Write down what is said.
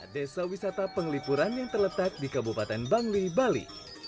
desa wisata penglipuran yang terletak di kabupaten bangli bali